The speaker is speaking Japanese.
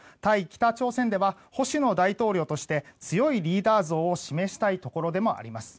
北朝鮮では保守の大統領として強いリーダー像を示したいところでもあります。